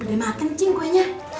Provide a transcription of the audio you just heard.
udah makan cing kuenya